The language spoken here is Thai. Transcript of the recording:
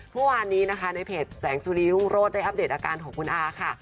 เมื่อวานนี้นะคะในเพจแสงสุรีรุ่งโรธได้อัปเดตอาการของคุณอาค่ะ